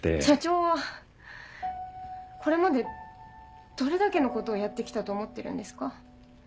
社長はこれまでどれだけのことをやって来たと思ってるんですか。